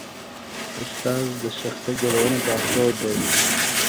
استاد د شخصیت جوړونې لارښود دی.